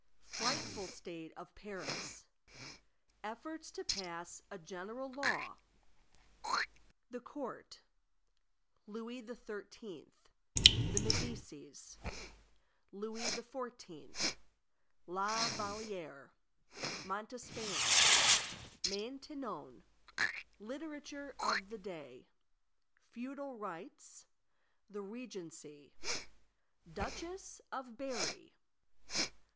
Frightful state of Paris. Efforts to pass a general Law. The Court. Louis XIII. The Medicis. Louis XIV. La Vallière. Montespan. Maintenon. Literature of the Day. Feudal Rights. The Regency. Duchess of Berri.